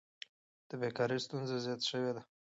د بیکارۍ ستونزه زیاته شوې ده.